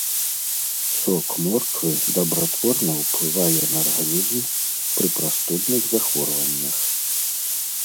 Сок морквы дабратворна ўплывае на арганізм пры прастудных захворваннях.